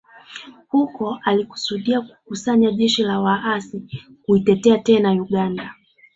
Huko alikusudia kukusanya jeshi la waasi kuiteka tena Uganda